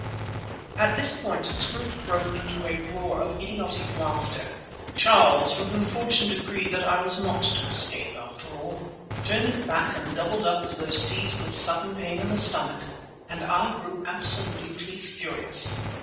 At this point Scroope broke into a roar of idiotic laughter. Charles, from whom Fortune decreed that I was not to escape, after all, turned his back and doubled up as though seized with sudden pain in the stomach, and I grew absolutely furious.